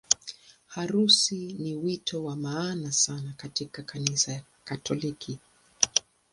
Harusi ni wito wa maana sana katika Kanisa Katoliki.